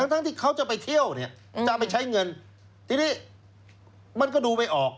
ทั้งที่เขาจะไปเที่ยวเนี่ยจะไปใช้เงินทีนี้มันก็ดูไม่ออก